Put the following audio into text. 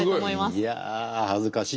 いや恥ずかしい。